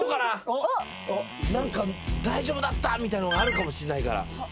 大丈夫だった！みたいのがあるかもしれないから。